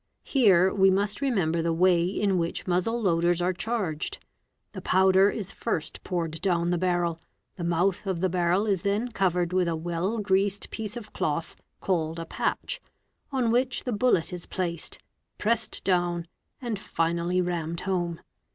Here we must remember the way in which muzzle loaders are charged; the powder is first poured down the barrel, the mouth of the barrel is then covered with a well greased piece of cloth, called a '"'patch'', on which the bullet is placed, pressed down, and finally rammed home.